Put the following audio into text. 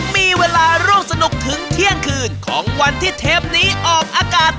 มีเวลาร่วมสนุกถึงเที่ยงคืนของวันที่เทปนี้ออกอากาศ